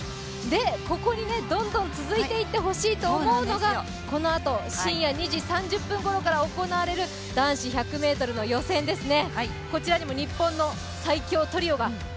ここにどんどん続いていってほしいと思うのが、このあと、深夜２時３０分ごろから行われる男子１００ｍの予選ですね。